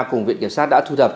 cùng viện kiểm soát đã thu thập